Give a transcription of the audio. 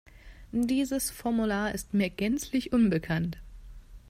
Dieses Formular ist mir gänzlich unbekannt.